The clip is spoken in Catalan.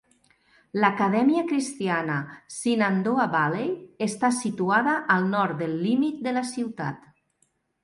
L"Acadèmia Cristiana Shenandoah Valley està situada al nord del límit de la ciutat.